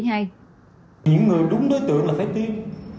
những người đúng đối tượng là phải tiêm